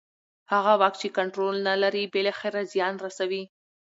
هغه واک چې کنټرول نه لري بالاخره زیان رسوي